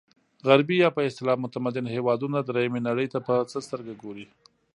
غربي یا په اصطلاح متمدن هېوادونه درېیمې نړۍ ته په څه سترګه ګوري.